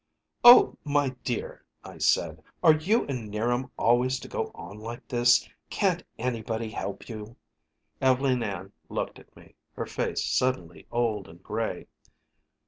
"Oh, my dear!" I said. "Are you and 'Niram always to go on like this? Can't anybody help you?" Ev'leen Ann looked at me, her face suddenly old and gray.